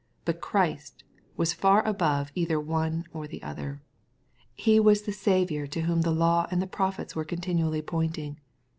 But Christ was far above either one or the other. He was the Saviour to whom law and prophets were con tinually pointing.